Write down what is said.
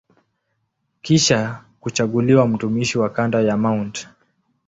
Kisha kuchaguliwa mtumishi wa kanda ya Mt.